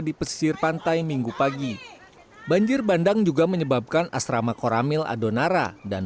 di pesisir pantai minggu pagi banjir bandang juga menyebabkan asrama koramil adonara dan